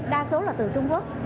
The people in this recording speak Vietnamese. đa số là từ trung quốc